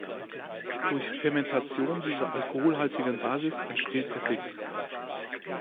Durch Fermentation dieser alkoholhaltigen Basis entsteht Essig.